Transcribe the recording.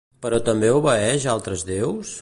Però també obeeix altres déus?